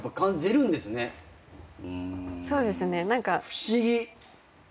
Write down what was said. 不思議。